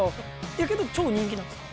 やけど超人気なんですか？